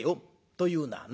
というのはな